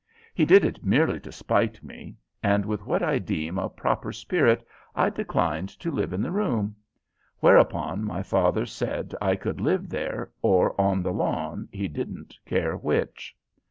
He did it merely to spite me, and, with what I deem a proper spirit, I declined to live in the room; whereupon my father said I could live there or on the lawn, he didn't care which.